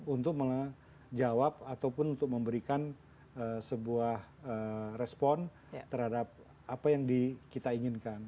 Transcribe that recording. untuk menjawab ataupun untuk memberikan sebuah respon terhadap apa yang kita inginkan